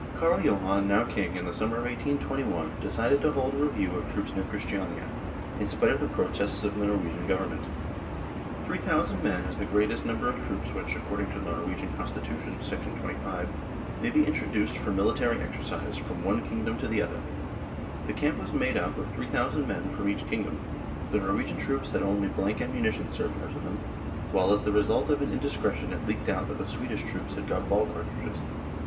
Carl Johan, now king, in the summer of 1821 de cided to hold a review of troops near Christiania, in spite of the protests of the Norwegian Goyern D 34 NOR WAV AND THE UNION WITH SWEDEN ment. 1 Three thousand men is the greatest num ber of troops which, according to the Norwegian Constitution, 25, may be introduced for military exercise, from the one kingdom to the other. The camp was made up of 3,000 men from each kingdom ; the Norwegian troops had only blank ammunition served out to them, while as the result of an indiscretion it leaked out that the Swedish troops had got ball cartridges.